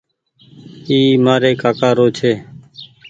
اي مآري ڪآڪآ رو ڇي۔